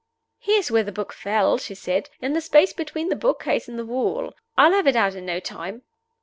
"Here's where the book fell," she said "in the space between the book case and the wall. I'll have it out in no time."